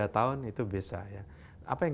tahun itu bisa apa yang